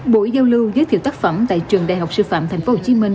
buổi giao lưu giới thiệu tác phẩm tại trường đại học sư phạm thành phố hồ chí minh